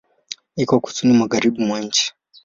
Iko Kusini magharibi mwa nchi.